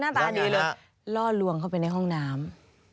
ตาดีเลยล่อลวงเข้าไปในห้องน้ำ